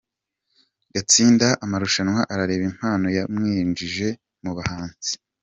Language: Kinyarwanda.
Gutsinda amarushanwa areba impano byamwinjije mu buhanzi